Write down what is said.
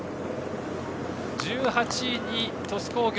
１８位に鳥栖工業。